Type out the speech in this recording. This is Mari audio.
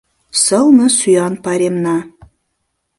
Сылне сӱан-пайремна!